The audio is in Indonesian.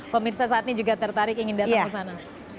pemirsa saat ini juga tertarik ingin datang ke sana